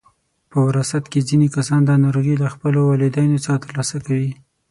په وراثت کې ځینې کسان دا ناروغي له خپلو والدینو څخه ترلاسه کوي.